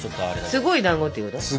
すごいだんごっていうこと？